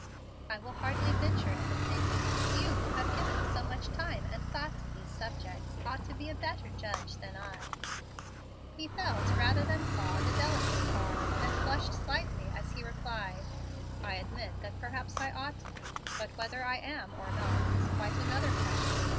"I will hardly venture an opinion. You, who have given so much time and thought to these subjects, ought to be a better judge than I." He felt, rather than saw, the delicate barb, and flushed slightly as he replied, "I admit that perhaps I ought to be, but whether I am or not, is quite another question.